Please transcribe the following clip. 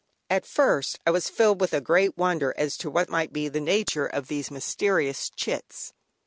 At first I was filled with a great wonder as to what might be the nature of these mysterious "Chits."